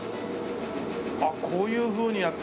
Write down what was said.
あっこういうふうにやって。